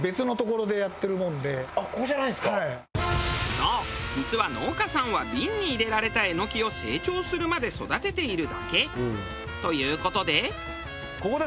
そう実は農家さんは瓶に入れられたエノキを成長するまで育てているだけ。という事で。